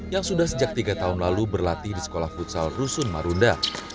yang sudah sejak tiga tahun lalu berlatih di sekolah futsal rusun marunda